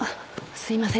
すいません。